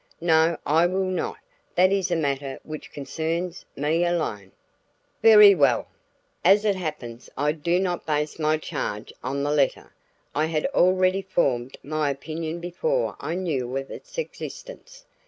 "No, I will not. That is a matter which concerns, me alone." "Very well! As it happens I do not base my charge on the letter; I had already formed my opinion before I knew of its existence.